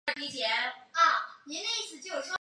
风龙是日本将棋的棋子之一。